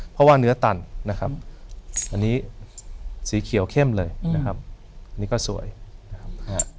เพราะว่าเนื้อตันนะครับอันนี้สีเขียวเข้มเลยนะครับนี่ก็สวยนะครับ